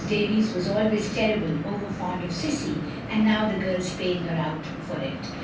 Davies was always terrible over fond of Cissie, and now the girl 's paying her out for it.